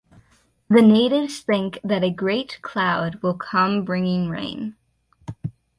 The natives think that a great cloud will come bringing rain.